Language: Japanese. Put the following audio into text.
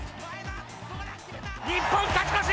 日本、勝ち越し。